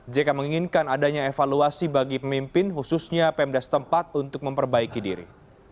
jk menginginkan adanya evaluasi bagi pemimpin khususnya pemda setempat untuk memperbaiki diri